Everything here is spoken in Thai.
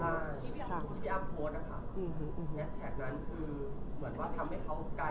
เพราะว่าจริงแน็กเค้าก็ค่อนข้างคุมการทำโพสช่าย